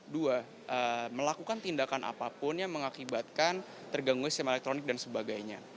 dua melakukan tindakan apapun yang mengakibatkan terganggu sistem elektronik dan sebagainya